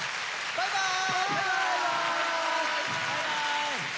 バイバイ！